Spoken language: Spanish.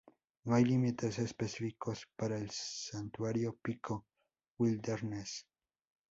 No hay límites específicos para el santuario Pico Wilderness.